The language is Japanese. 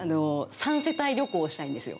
３世帯旅行をしたいんですよ。